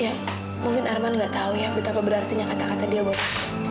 ya mungkin arman gak tahu ya betapa berarti kata kata dia buat aku